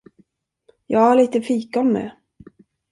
Ja, lite fikon med.